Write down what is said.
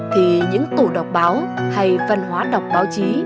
thì những tủ đọc báo hay văn hóa đọc báo chí